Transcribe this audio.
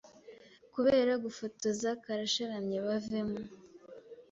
kubera gufotoza karasharamye bave mu